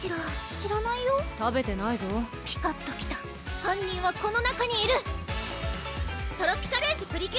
知らないよ食べてないぞピカッときた犯人はこの中にいるトロピカルジュ！